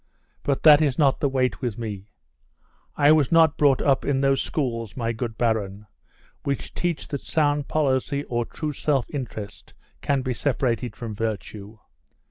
But that is not the weight with me. I was not brought up in those schools, my good baron, which teach that sound policy or true self interest can be separated from virtue.